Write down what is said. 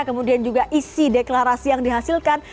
kemudian juga isi deklarasi yang dihasilkan